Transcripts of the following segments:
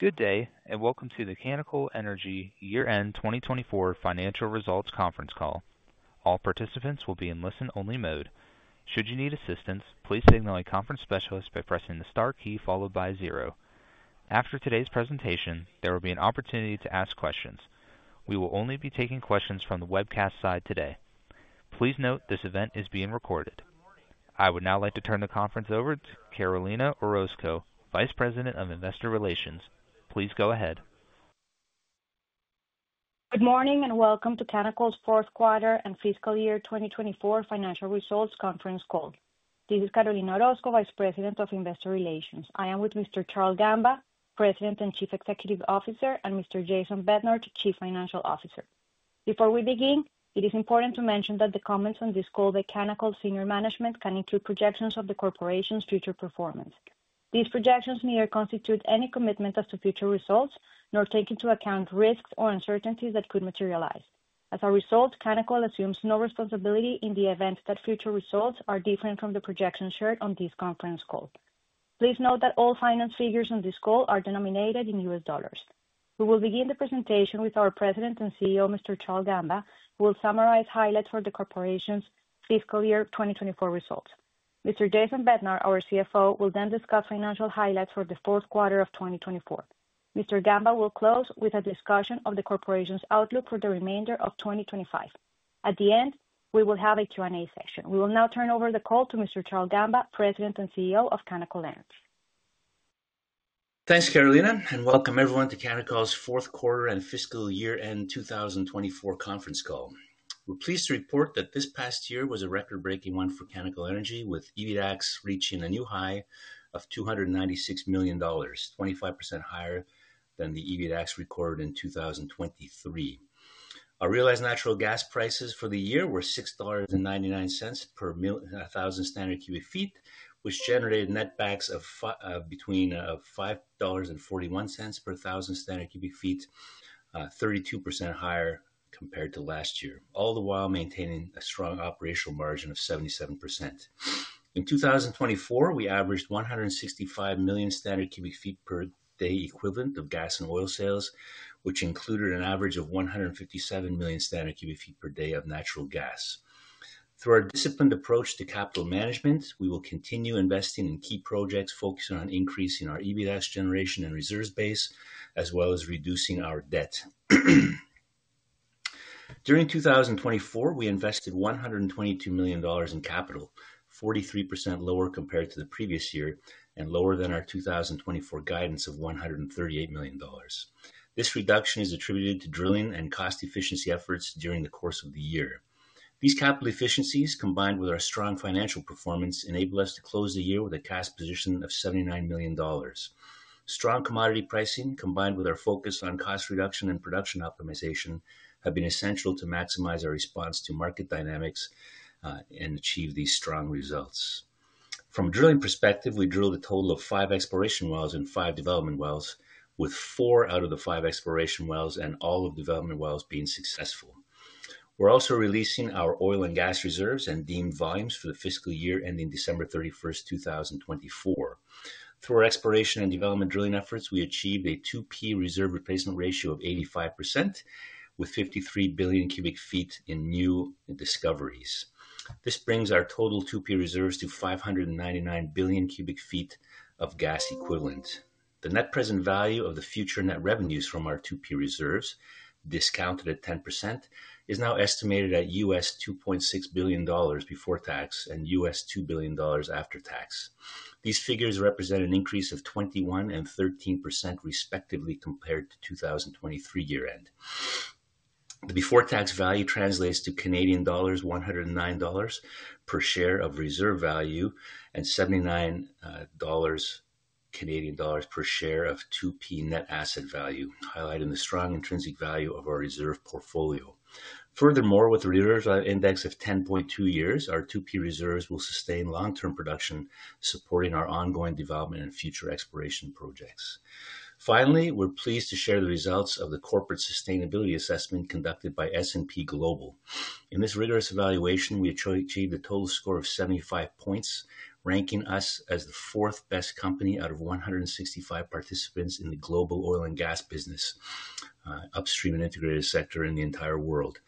Good day, and welcome to the Canacol Energy Year-End 2024 Financial Results Conference Call. All participants will be in listen-only mode. Should you need assistance, please signal a conference specialist by pressing the star key followed by zero. After today's presentation, there will be an opportunity to ask questions. We will only be taking questions from the webcast side today. Please note this event is being recorded. I would now like to turn the conference over to Carolina Orozco, Vice President of Investor Relations. Please go ahead. Good morning and welcome to Canacol's fourth quarter and fiscal year 2024 financial results conference call. This is Carolina Orozco, Vice President of Investor Relations. I am with Mr. Charle Gamba, President and Chief Executive Officer, and Mr. Jason Bednar, Chief Financial Officer. Before we begin, it is important to mention that the comments on this call by Canacol's senior management can include projections of the corporation's future performance. These projections neither constitute any commitment as to future results nor take into account risks or uncertainties that could materialize. As a result, Canacol assumes no responsibility in the event that future results are different from the projections shared on this conference call. Please note that all finance figures on this call are denominated in US dollars. We will begin the presentation with our President and CEO, Mr. Charle Gamba, who will summarize highlights for the corporation's fiscal year 2024 results. Mr. Jason Bednar, our CFO, will then discuss financial highlights for the fourth quarter of 2024. Mr. Gamba will close with a discussion of the corporation's outlook for the remainder of 2025. At the end, we will have a Q&A session. We will now turn over the call to Mr. Charle Gamba, President and CEO of Canacol Energy. Thanks, Carolina, and welcome everyone to Canacol's fourth quarter and fiscal year-end 2024 conference call. We're pleased to report that this past year was a record-breaking one for Canacol Energy, with EBITDAX reaching a new high of $296 million, 25% higher than the EBITDAX recorded in 2023. Our realized natural gas prices for the year were $6.99 per 1,000 scf, which generated netbacks of between $5.41 per 1,000 scf, 32% higher compared to last year, all the while maintaining a strong operational margin of 77%. In 2024, we averaged 165 million scf per day equivalent of gas and oil sales, which included an average of 157 million scf per day of natural gas. Through our disciplined approach to capital management, we will continue investing in key projects focused on increasing our EBITDAX generation and reserves base, as well as reducing our debt. During 2024, we invested $122 million in capital, 43% lower compared to the previous year and lower than our 2024 guidance of $138 million. This reduction is attributed to drilling and cost efficiency efforts during the course of the year. These capital efficiencies, combined with our strong financial performance, enable us to close the year with a cash position of $79 million. Strong commodity pricing, combined with our focus on cost reduction and production optimization, have been essential to maximize our response to market dynamics and achieve these strong results. From a drilling perspective, we drilled a total of five exploration wells and five development wells, with four out of the five exploration wells and all of the development wells being successful. We're also releasing our oil and gas reserves and deemed volumes for the fiscal year ending December 31, 2024. Through our exploration and development drilling efforts, we achieved a 2P reserve replacement ratio of 85%, with 53 billion cu ft in new discoveries. This brings our total 2P reserves to 599 billion cu ft of gas equivalent. The net present value of the future net revenues from our 2P reserves, discounted at 10%, is now estimated at $2.6 billion before tax and $2 billion after tax. These figures represent an increase of 21% and 13%, respectively, compared to 2023 year-end. The before-tax value translates to Canadian dollars 109 per share of reserve value and 79 Canadian dollars per share of 2P net asset value, highlighting the strong intrinsic value of our reserve portfolio. Furthermore, with a reserve index of 10.2 years, our 2P reserves will sustain long-term production, supporting our ongoing development and future exploration projects. Finally, we're pleased to share the results of the corporate sustainability assessment conducted by S&P Global. In this rigorous evaluation, we achieved a total score of 75 points, ranking us as the fourth best company out of 165 participants in the global oil and gas business, upstream and integrated sector in the entire world.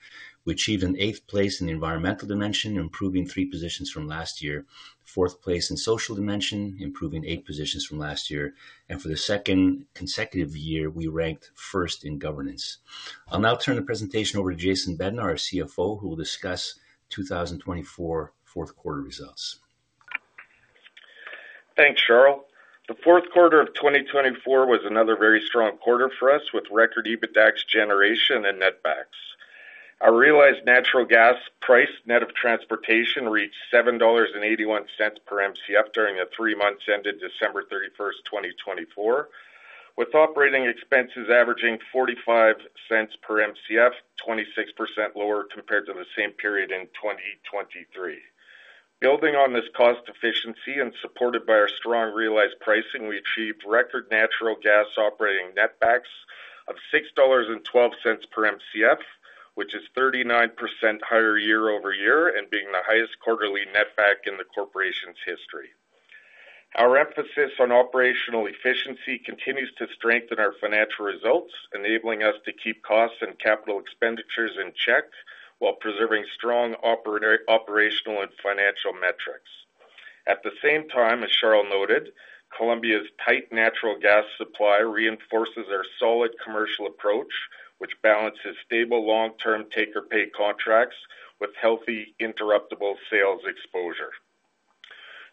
We achieved an eighth place in the environmental dimension, improving three positions from last year, fourth place in social dimension, improving eight positions from last year, and for the second consecutive year, we ranked first in governance. I'll now turn the presentation over to Jason Bednar, our CFO, who will discuss 2024 fourth quarter results. Thanks, Charle. The fourth quarter of 2024 was another very strong quarter for us, with record EBITDAX generation and netbacks. Our realized natural gas price net of transportation reached $7.81 per MCF during the three months ended December 31st, 2024, with operating expenses averaging $0.45 per MCF, 26% lower compared to the same period in 2023. Building on this cost efficiency and supported by our strong realized pricing, we achieved record natural gas operating netbacks of $6.12 per MCF, which is 39% higher year-over-year and being the highest quarterly netback in the corporation's history. Our emphasis on operational efficiency continues to strengthen our financial results, enabling us to keep costs and capital expenditures in check while preserving strong operational and financial metrics. At the same time, as Charle noted, Colombia's tight natural gas supply reinforces our solid commercial approach, which balances stable long-term take-or-pay contracts with healthy interruptible sales exposure.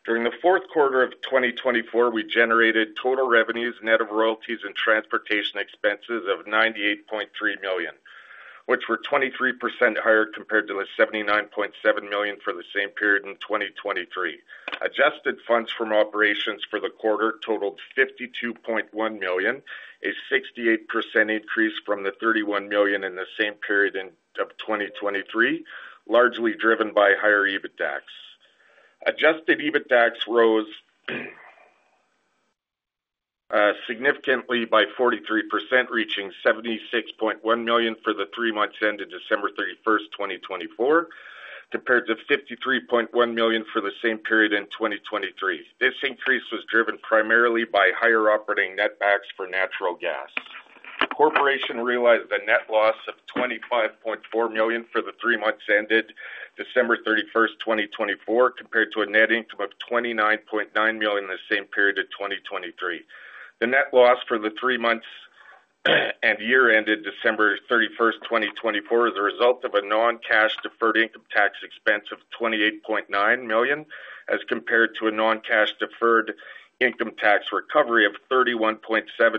During the fourth quarter of 2024, we generated total revenues net of royalties and transportation expenses of $98.3 million, which were 23% higher compared to the $79.7 million for the same period in 2023. Adjusted funds from operations for the quarter totaled $52.1 million, a 68% increase from the $31 million in the same period of 2023, largely driven by higher EBITDAX. Adjusted EBITDAX rose significantly by 43%, reaching $76.1 million for the three months ended December 31, 2024, compared to $53.1 million for the same period in 2023. This increase was driven primarily by higher operating netbacks for natural gas. The corporation realized a net loss of $25.4 million for the three months ended December 31, 2024, compared to a net income of $29.9 million in the same period of 2023. The net loss for the three months and year ended December 31, 2024, is the result of a non-cash deferred income tax expense of $28.9 million as compared to a non-cash deferred income tax recovery of $31.7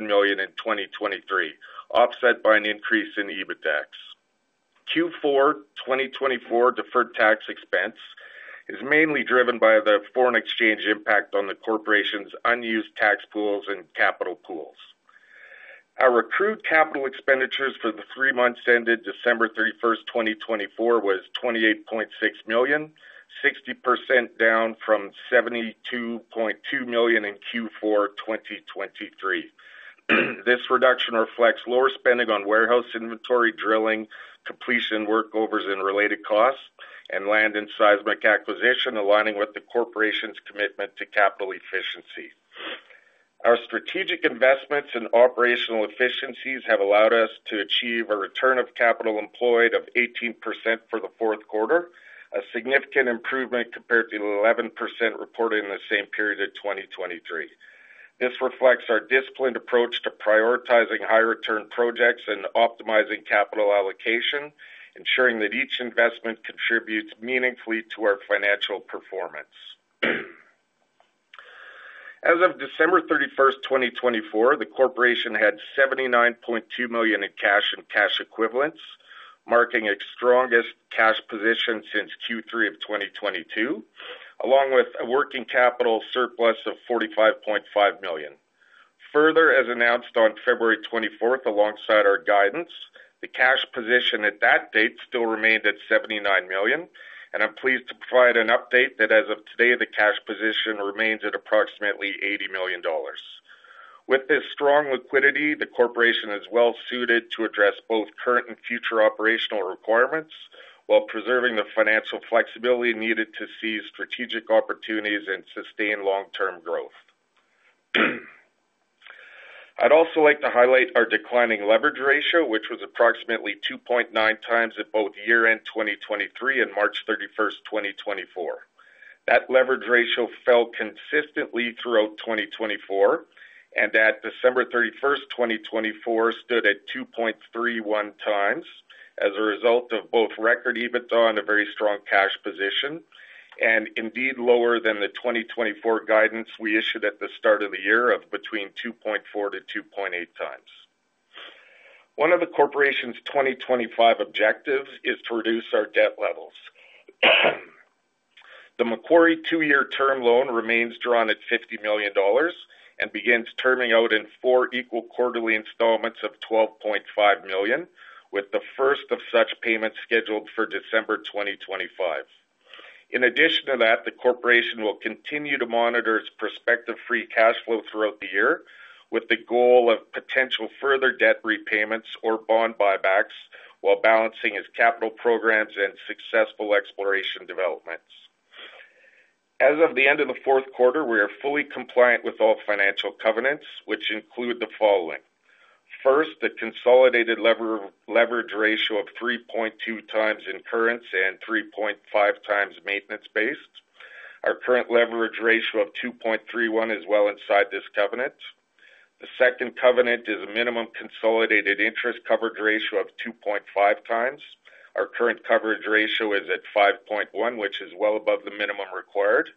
million in 2023, offset by an increase in EBITDAX. Q4 2024 deferred tax expense is mainly driven by the foreign exchange impact on the corporation's unused tax pools and capital pools. Our accrued capital expenditures for the three months ended December 31, 2024, was $28.6 million, 60% down from $72.2 million in Q4 2023. This reduction reflects lower spending on warehouse inventory, drilling, completion workovers and related costs, and land and seismic acquisition, aligning with the corporation's commitment to capital efficiency. Our strategic investments and operational efficiencies have allowed us to achieve a return of capital employed of 18% for the fourth quarter, a significant improvement compared to the 11% reported in the same period of 2023. This reflects our disciplined approach to prioritizing high-return projects and optimizing capital allocation, ensuring that each investment contributes meaningfully to our financial performance. As of December 31, 2024, the corporation had $79.2 million in cash and cash equivalents, marking its strongest cash position since Q3 of 2022, along with a working capital surplus of $45.5 million. Further, as announced on February 24, alongside our guidance, the cash position at that date still remained at $79 million, and I'm pleased to provide an update that as of today, the cash position remains at approximately $80 million. With this strong liquidity, the corporation is well-suited to address both current and future operational requirements while preserving the financial flexibility needed to seize strategic opportunities and sustain long-term growth. I'd also like to highlight our declining leverage ratio, which was approximately 2.9x at both year-end 2023 and March 31, 2024. That leverage ratio fell consistently throughout 2024, and at December 31, 2024, stood at 2.31x as a result of both record EBITDA and a very strong cash position, and indeed lower than the 2024 guidance we issued at the start of the year of between 2.4x-2.8x. One of the corporation's 2025 objectives is to reduce our debt levels. The Macquarie two-year term loan remains drawn at $50 million and begins terming out in four equal quarterly installments of $12.5 million, with the first of such payments scheduled for December 2025. In addition to that, the corporation will continue to monitor its prospective free cash flow throughout the year, with the goal of potential further debt repayments or bond buybacks while balancing its capital programs and successful exploration developments. As of the end of the fourth quarter, we are fully compliant with all financial covenants, which include the following. First, the consolidated leverage ratio of 3.2x incurrence and 3.5x maintenance-based. Our current leverage ratio of 2.31 is well inside this covenant. The second covenant is a minimum consolidated interest coverage ratio of 2.5x. Our current coverage ratio is at 5.1, which is well above the minimum required.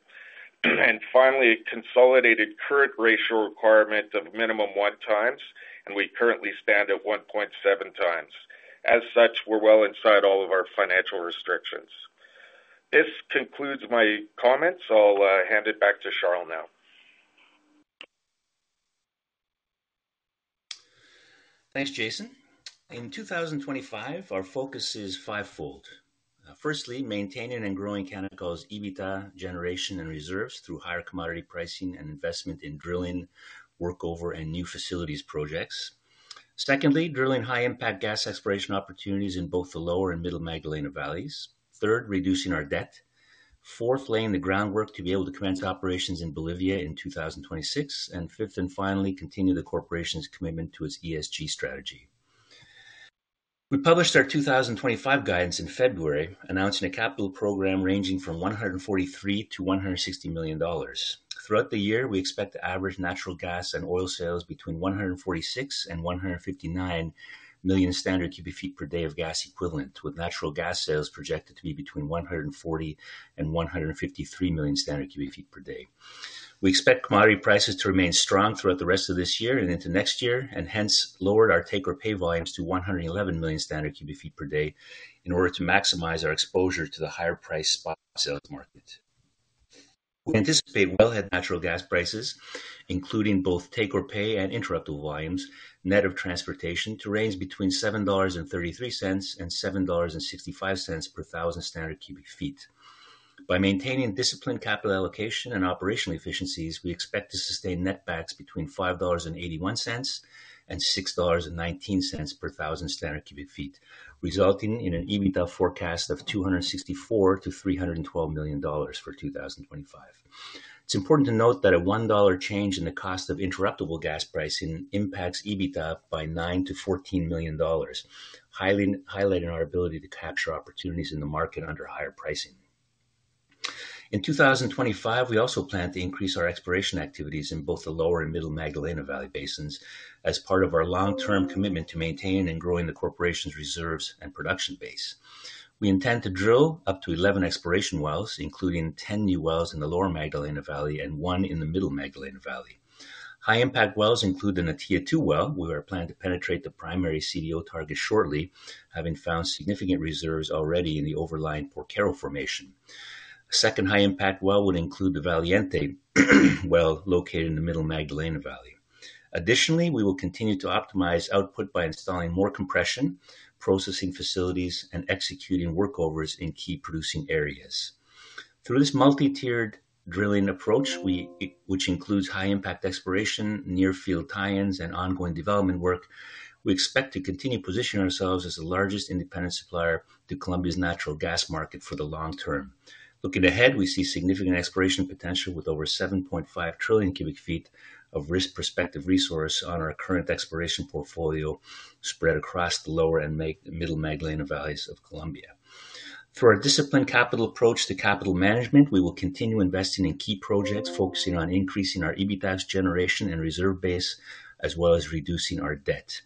Finally, a consolidated current ratio requirement of minimum one times, and we currently stand at 1.7x. As such, we're well inside all of our financial restrictions. This concludes my comments. I'll hand it back to Charle now. Thanks, Jason. In 2025, our focus is fivefold. Firstly, maintaining and growing Canacol's EBITDA generation and reserves through higher commodity pricing and investment in drilling, workover, and new facilities projects. Secondly, drilling high-impact gas exploration opportunities in both the Lower and Middle Magdalena Valleys. Third, reducing our debt. Fourth, laying the groundwork to be able to commence operations in Bolivia in 2026. Fifth and finally, continue the corporation's commitment to its ESG strategy. We published our 2025 guidance in February, announcing a capital program ranging from $143 million-$160 million. Throughout the year, we expect the average natural gas and oil sales between 146 million-159 million scf per day of gas equivalent, with natural gas sales projected to be between 140 million-153 million scf per day. We expect commodity prices to remain strong throughout the rest of this year and into next year, and hence lowered our take-or-pay volumes to 111 million scf per day in order to maximize our exposure to the higher-priced spot sales market. We anticipate wellhead natural gas prices, including both take-or-pay and interruptible volumes, net of transportation to range between $7.33-$7.65 per 1,000 scf. By maintaining disciplined capital allocation and operational efficiencies, we expect to sustain netbacks between $5.81-$6.19 per 1,000 scf, resulting in an EBITDA forecast of $264 million-$312 million for 2025. It's important to note that a $1 change in the cost of interruptible gas pricing impacts EBITDA by $9 million-$14 million, highlighting our ability to capture opportunities in the market under higher pricing. In 2025, we also plan to increase our exploration activities in both the Lower and Middle Magdalena Valley basins as part of our long-term commitment to maintaining and growing the corporation's reserves and production base. We intend to drill up to 11 exploration wells, including 10 new wells in the Lower Magdalena Valley and one in the Middle Magdalena Valley. High-impact wells include the Natilla-2 well, where we plan to penetrate the primary CDO target shortly, having found significant reserves already in the overlying Porquero Formation. A second high-impact well would include the Valiente well located in the Middle Magdalena Valley. Additionally, we will continue to optimize output by installing more compression processing facilities and executing workovers in key producing areas. Through this multi-tiered drilling approach, which includes high-impact exploration, near-field tie-ins, and ongoing development work, we expect to continue positioning ourselves as the largest independent supplier to Colombia's natural gas market for the long term. Looking ahead, we see significant exploration potential with over 7.5 trillion cu ft of risk prospective resource on our current exploration portfolio spread across the Lower and Middle Magdalena Valleys of Colombia. Through our disciplined approach to capital management, we will continue investing in key projects focusing on increasing our EBITDAX generation and reserve base, as well as reducing our debt.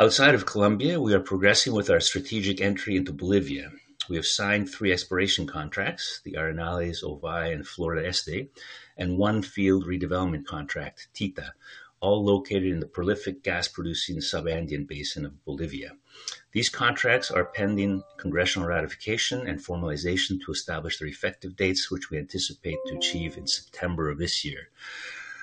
Outside of Colombia, we are progressing with our strategic entry into Bolivia. We have signed three exploration contracts, the Arenales, Ovai, and Florida Este, and one field redevelopment contract, Tita, all located in the prolific gas-producing Sub-Andean Basin of Bolivia. These contracts are pending congressional ratification and formalization to establish their effective dates, which we anticipate to achieve in September of this year.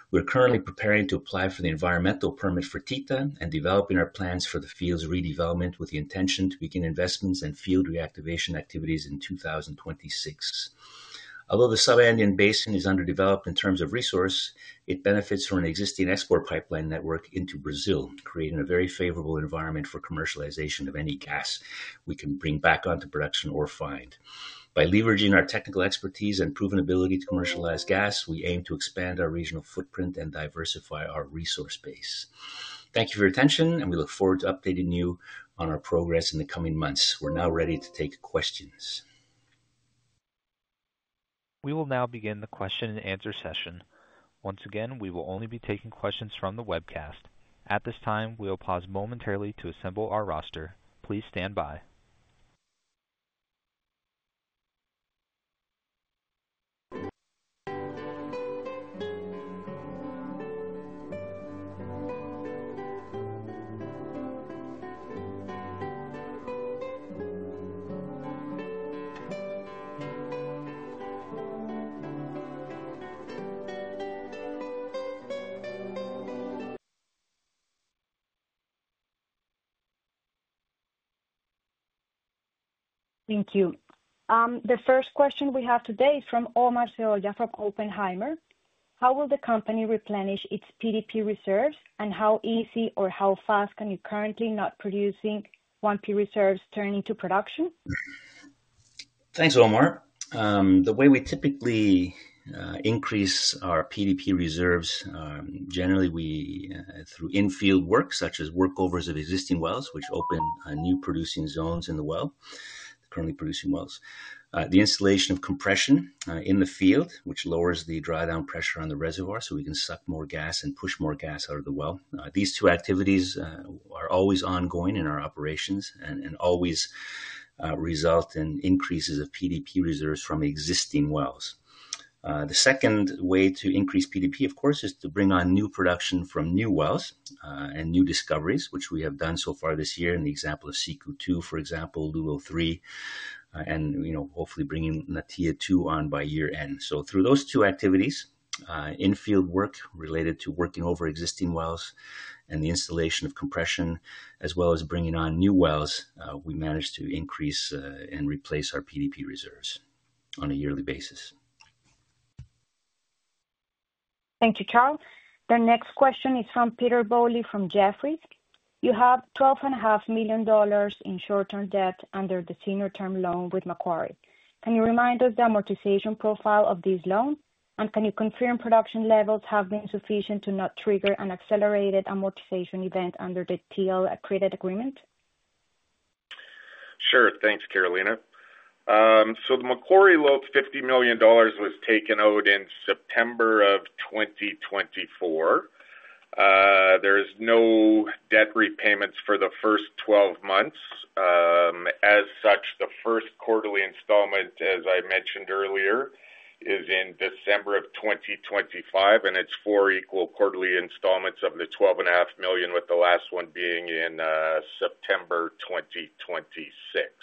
We're currently preparing to apply for the environmental permit for Tita and developing our plans for the field's redevelopment with the intention to begin investments and field reactivation activities in 2026. Although the Sub-Andean Basin is underdeveloped in terms of resource, it benefits from an existing export pipeline network into Brazil, creating a very favorable environment for commercialization of any gas we can bring back onto production or find. By leveraging our technical expertise and proven ability to commercialize gas, we aim to expand our regional footprint and diversify our resource base. Thank you for your attention, and we look forward to updating you on our progress in the coming months. We're now ready to take questions. We will now begin the question-and-answer session. Once again, we will only be taking questions from the webcast. At this time, we will pause momentarily to assemble our roster. Please stand by. Thank you. The first question we have today is from Omar from Oppenheimer. How will the company replenish its PDP reserves, and how easy or how fast can you currently not producing 1P reserves turn into production? Thanks, Omar. The way we typically increase our PDP reserves, generally through in-field work, such as workovers of existing wells, which open new producing zones in the well, currently producing wells, the installation of compression in the field, which lowers the dry down pressure on the reservoir so we can suck more gas and push more gas out of the well. These two activities are always ongoing in our operations and always result in increases of PDP reserves from existing wells. The second way to increase PDP, of course, is to bring on new production from new wells and new discoveries, which we have done so far this year in the example of Siku-2, for example, Lulo-3, and hopefully bringing Natilla-2 on by year-end. Through those two activities, in-field work related to working over existing wells and the installation of compression, as well as bringing on new wells, we manage to increase and replace our PDP reserves on a yearly basis. Thank you, Charle. The next question is from Peter Bowley from Jefferies. You have $12.5 million in short-term debt under the senior term loan with Macquarie. Can you remind us the amortization profile of this loan, and can you confirm production levels have been sufficient to not trigger an accelerated amortization event under the TL accredited agreement? Sure. Thanks, Carolina. The Macquarie loan, $50 million, was taken out in September of 2024. There is no debt repayments for the first 12 months. As such, the first quarterly installment, as I mentioned earlier, is in December of 2025, and it's four equal quarterly installments of $12.5 million, with the last one being in September 2026.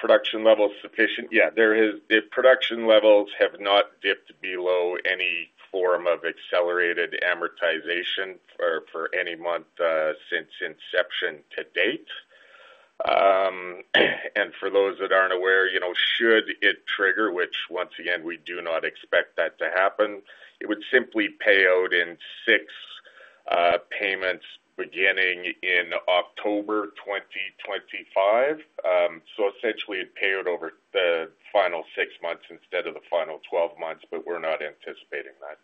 Production levels sufficient? Yeah, the production levels have not dipped below any form of accelerated amortization for any month since inception to date. For those that aren't aware, should it trigger, which once again, we do not expect that to happen, it would simply pay out in six payments beginning in October 2025. Essentially, it'd pay out over the final six months instead of the final 12 months, but we're not anticipating that.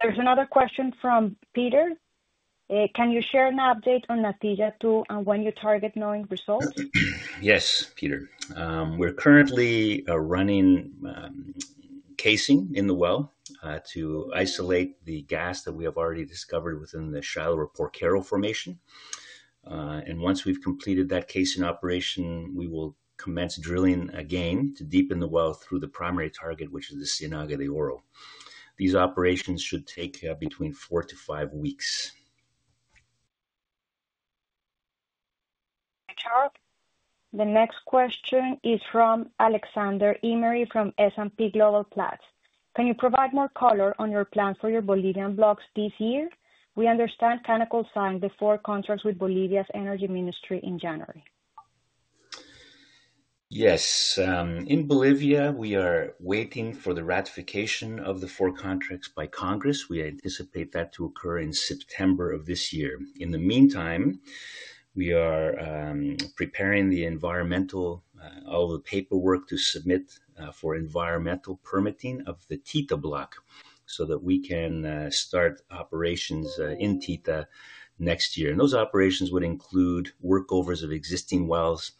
There's another question from Peter. Can you share an update on Natilla-2 and when you target knowing results? Yes, Peter. We're currently running casing in the well to isolate the gas that we have already discovered within the shallow or Porquero Formation. Once we've completed that casing operation, we will commence drilling again to deepen the well through the primary target, which is the Cienaga de Oro. These operations should take between four to five weeks. Thank you, Charle. The next question is from Alexander Emery from S&P Global Platts. Can you provide more color on your plans for your Bolivian blocks this year? We understand Canacol signed the four contracts with Bolivia's energy ministry in January. Yes. In Bolivia, we are waiting for the ratification of the four contracts by Congress. We anticipate that to occur in September of this year. In the meantime, we are preparing all the paperwork to submit for environmental permitting of the Tita block so that we can start operations in Tita next year. Those operations would include workovers of existing wells,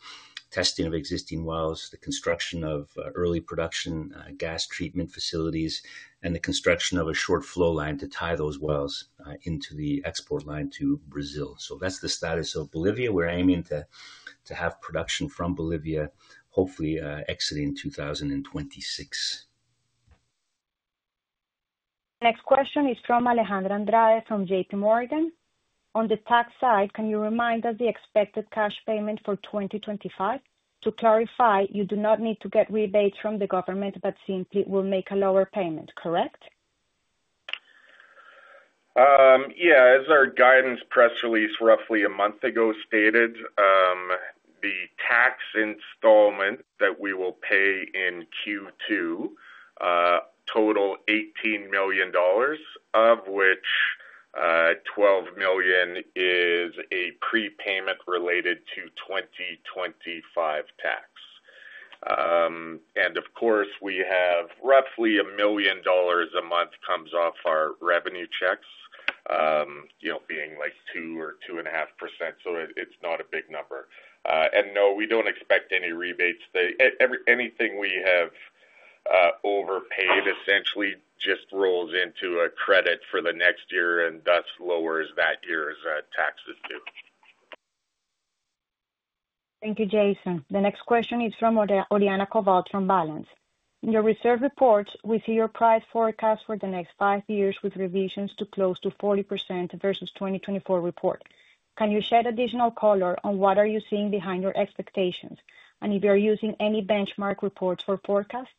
testing of existing wells, the construction of early production gas treatment facilities, and the construction of a short flow line to tie those wells into the export line to Brazil. That is the status of Bolivia. We're aiming to have production from Bolivia, hopefully exiting in 2026. The next question is from Alejandra Andrade from J.P. Morgan. On the tax side, can you remind us the expected cash payment for 2025? To clarify, you do not need to get rebates from the government, but simply will make a lower payment, correct? Yeah. As our guidance press release roughly a month ago stated, the tax installment that we will pay in Q2 totaled $18 million, of which $12 million is a prepayment related to 2025 tax. Of course, we have roughly $1 million a month comes off our revenue checks, being like 2% or 2.5%. It is not a big number. No, we do not expect any rebates. Anything we have overpaid essentially just rolls into a credit for the next year and thus lowers that year's taxes too. Thank you, Jason. The next question is from Oriana Covault from Balanz. In your reserve reports, we see your price forecast for the next five years with revisions to close to 40% versus 2024 report. Can you shed additional color on what are you seeing behind your expectations? If you're using any benchmark reports for forecasts?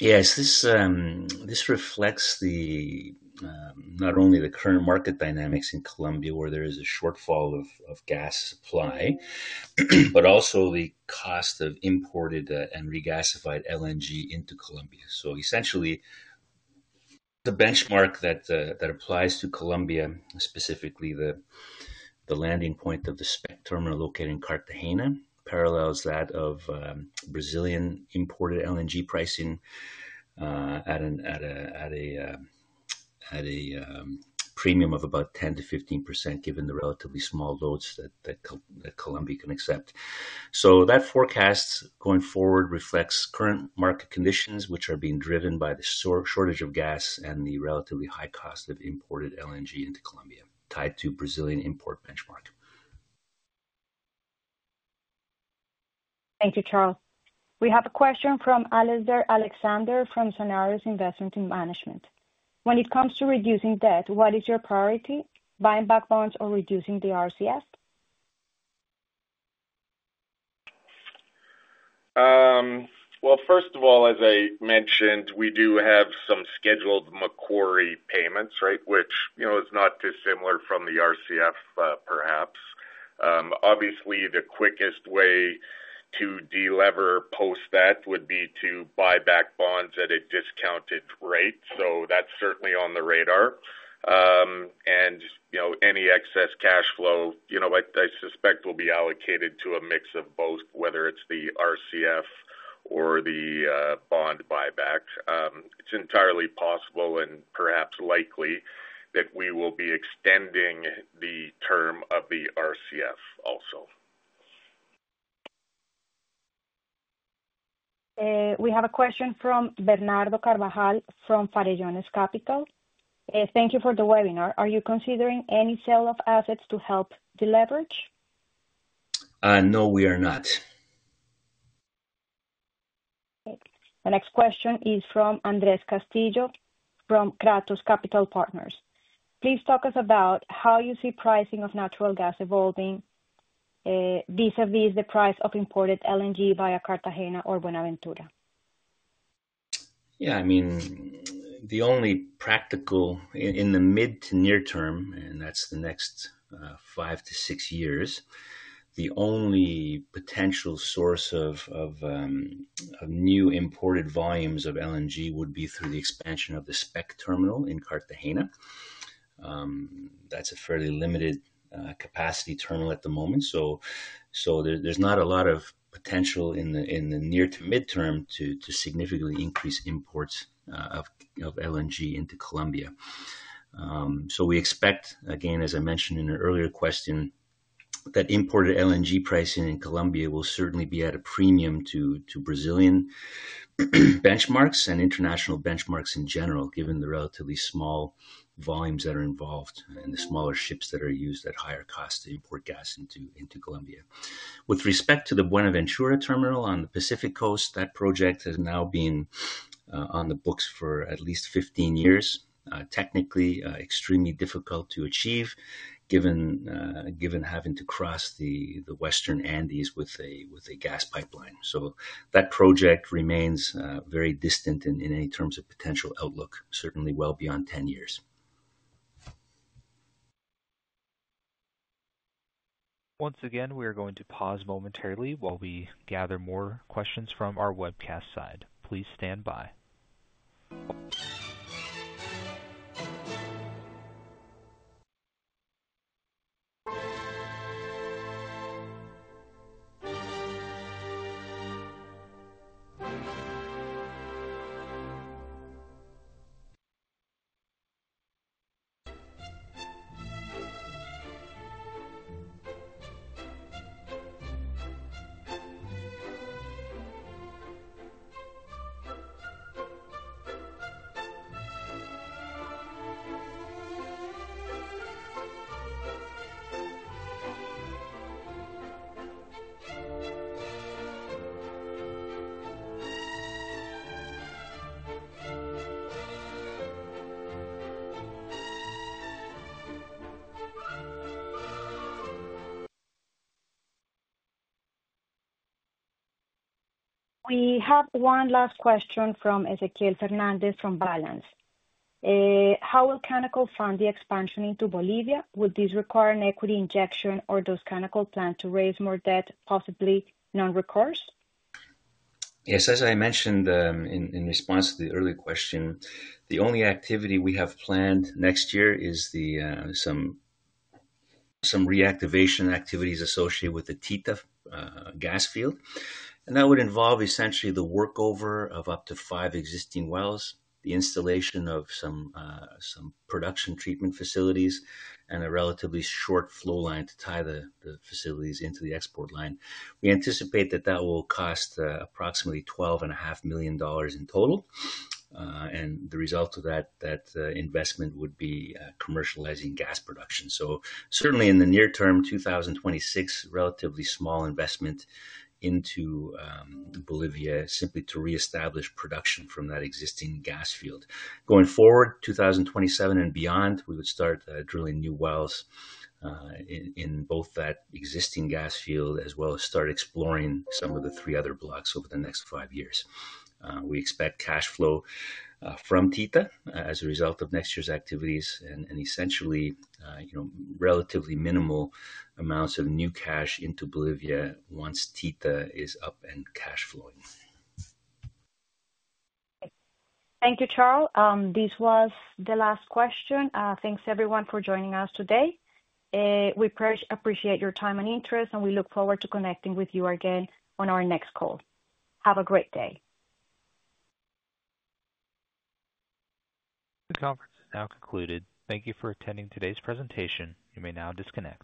Yes. This reflects not only the current market dynamics in Colombia, where there is a shortfall of gas supply, but also the cost of imported and regasified LNG into Colombia. Essentially, the benchmark that applies to Colombia, specifically the landing point of the SPEC terminal located in Cartagena, parallels that of Brazilian imported LNG pricing at a premium of about 10%-15% given the relatively small loads that Colombia can accept. That forecast going forward reflects current market conditions, which are being driven by the shortage of gas and the relatively high cost of imported LNG into Colombia, tied to the Brazilian import benchmark. Thank you, Charle. We have a question from Alexander from Solaris Investment and Management. When it comes to reducing debt, what is your priority? Buying back bonds or reducing the RCF? First of all, as I mentioned, we do have some scheduled Macquarie payments, which is not dissimilar from the RCF, perhaps. Obviously, the quickest way to delever post that would be to buy back bonds at a discounted rate. That is certainly on the radar. Any excess cash flow, I suspect, will be allocated to a mix of both, whether it is the RCF or the bond buyback. It is entirely possible and perhaps likely that we will be extending the term of the RCF also. We have a question from Bernardo Carbajal from Farellones Capital. Thank you for the webinar. Are you considering any sale of assets to help deleverage? No, we are not. The next question is from Andres Castillo from Kratos Capital Partners. Please talk to us about how you see pricing of natural gas evolving vis-à-vis the price of imported LNG via Cartagena or Buenaventura. Yeah. I mean, the only practical in the mid to near term, and that's the next five to six years, the only potential source of new imported volumes of LNG would be through the expansion of the SPEC terminal in Cartagena. That's a fairly limited capacity terminal at the moment. There is not a lot of potential in the near to midterm to significantly increase imports of LNG into Colombia. We expect, again, as I mentioned in an earlier question, that imported LNG pricing in Colombia will certainly be at a premium to Brazilian benchmarks and international benchmarks in general, given the relatively small volumes that are involved and the smaller ships that are used at higher cost to import gas into Colombia. With respect to the Buenaventura terminal on the Pacific Coast, that project has now been on the books for at least 15 years. Technically, extremely difficult to achieve given having to cross the Western Andes with a gas pipeline. That project remains very distant in any terms of potential outlook, certainly well beyond 10 years. Once again, we are going to pause momentarily while we gather more questions from our webcast side. Please stand by. We have one last question from Ezequiel Fernandez from Balanz. How will Canacol fund the expansion into Bolivia? Would this require an equity injection or does Canacol plan to raise more debt, possibly non-recourse? Yes. As I mentioned in response to the early question, the only activity we have planned next year is some reactivation activities associated with the Tita gas field. That would involve essentially the workover of up to five existing wells, the installation of some production treatment facilities, and a relatively short flow line to tie the facilities into the export line. We anticipate that that will cost approximately $12.5 million in total. The result of that investment would be commercializing gas production. Certainly in the near term, 2026, relatively small investment into Bolivia simply to reestablish production from that existing gas field. Going forward, 2027 and beyond, we would start drilling new wells in both that existing gas field as well as start exploring some of the three other blocks over the next five years. We expect cash flow from Tita as a result of next year's activities and essentially relatively minimal amounts of new cash into Bolivia once Tita is up and cash flowing. Thank you, Charle. This was the last question. Thanks, everyone, for joining us today. We appreciate your time and interest, and we look forward to connecting with you again on our next call. Have a great day. The conference is now concluded. Thank you for attending today's presentation. You may now disconnect.